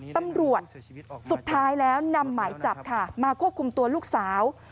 ตำรวจสุดท้ายแล้วนำหมายจับค่ะมาควบคุมตัวลูกสาว